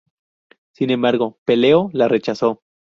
Sin embargo, Peleo la rechazó.